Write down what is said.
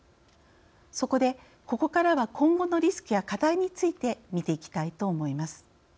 そこで、ここからは今後のリスクや課題について見ていきたいと思います。